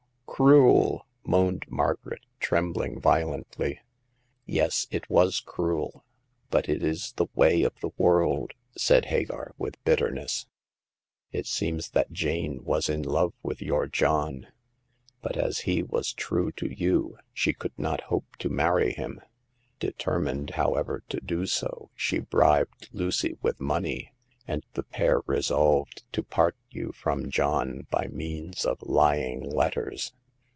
cruel I " moaned Margaret, trembling violently. 174 Hagar of the Pawn Shop. Yes, it was cruel ; but it is the way of the worlJ," said Hagar, with bitterness, " It seems that Jane was in love with your John ; but as he was true to you, she could not hope to marry him. Determined, however, to do so, she bribed Lucy with money, and the pair resolved to part you from John by means of lying letters.